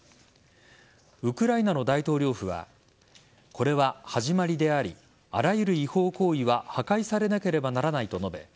ウクライナの大統領府はこれは始まりでありあらゆる違法行為は破壊されなければならないと述べ